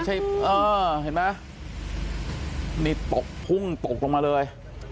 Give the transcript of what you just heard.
เห็นมั้ยนี่ตกพุ่งตกลงมาเลย